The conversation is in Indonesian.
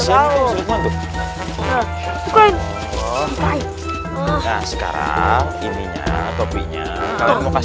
yang kamu tarik kita yang kamu lepas